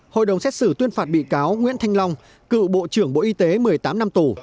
hội đồng xét xử tuyên phạt bị cáo nguyễn thanh long cựu bộ trưởng bộ y tế một mươi tám năm tù